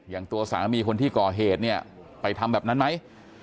อย่างตัวสามีคนที่ก่อเหตุเนี่ยไปทำแบบนั้นไหม